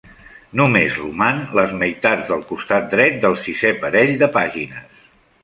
Només roman les meitats del costat dret del sisè parell de pàgines.